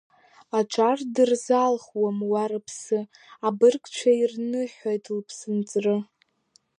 Аҿар дырзалхуам уа рыԥсы, абыргцәа ирныҳәоит лыԥсынҵры.